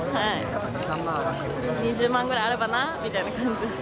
２０万ぐらいあればなっていう感じです。